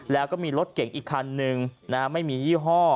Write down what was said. แล้วก็มีรถเก่งอีกคันนึงไม่มียี่ห้อ